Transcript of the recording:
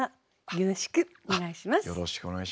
よろしくお願いします。